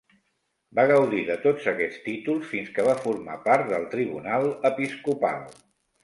Va gaudir de tots aquests títols fins que va formar part del tribunal episcopal.